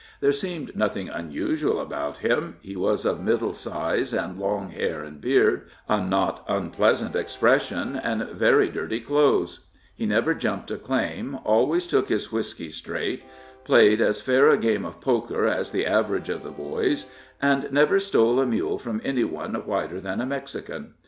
There seemed nothing unusual about him he was of middle size, and long hair and beard, a not unpleasant expression, and very dirty clothes; he never jumped a claim, always took his whisky straight, played as fair a game of poker as the average of the boys, and never stole a mule from any one whiter than a Mexican.